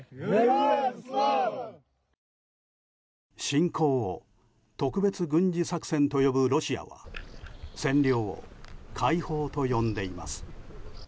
侵攻を特別軍事作戦と呼ぶロシアは占領を解放と呼んでいます。